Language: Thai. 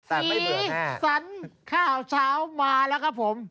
สีสันข่าวเช้ามาแล้วครับผม